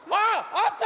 あった！